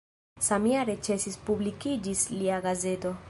Samjare ĉesis publikiĝis lia gazeto.